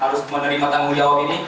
harus menerima tanggung jawab ini